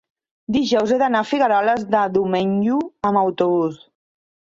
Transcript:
Dijous he d'anar a Figueroles de Domenyo amb autobús.